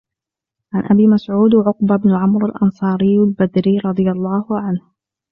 عَنْ أَبِي مَسْعُودٍ عُقبةَ بنِ عَمْرٍو الأنصاريِّ الْبَدْريِّ رَضِي اللهُ عَنْهُ